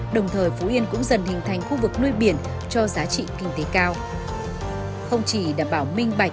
đồng thời phú yên cũng dần hình thành khu vực nuôi biển cho giá trị kinh tế cao